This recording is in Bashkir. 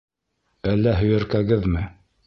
Әллә һөйәркәгеҙме?